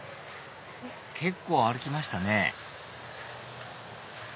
結構歩きましたね